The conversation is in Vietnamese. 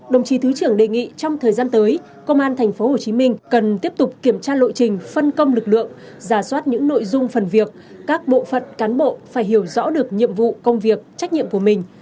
đồng chí thứ trưởng đề nghị trong thời gian tới công an tp hcm cần tiếp tục kiểm tra lộ trình phân công lực lượng giả soát những nội dung phần việc các bộ phận cán bộ phải hiểu rõ được nhiệm vụ công việc trách nhiệm của mình